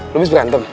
lo bisa berantem